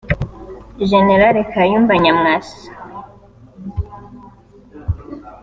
Jenerali Kayumba Nyamwasa